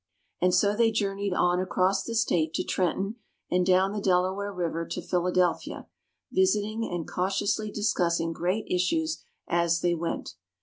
And so they journeyed on across the State to Trenton and down the Delaware River to Philadelphia, visiting, and cautiously discussing great issues as they went.